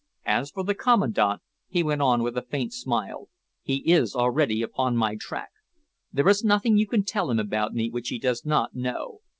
As for the Commandant," he went on with a faint smile, "he is already upon my track. There is nothing you can tell him about me which he does not know.